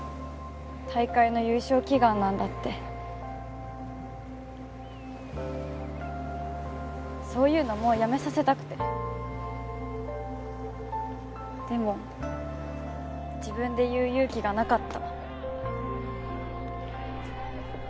大会の優勝祈願なんだってそういうのもうやめさせたくてでも自分で言う勇気がなかった